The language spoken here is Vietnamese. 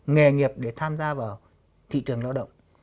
nghề nghiệp để tham gia vào thị trường lao động